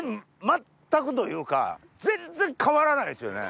全くというか全然変わらないですよね。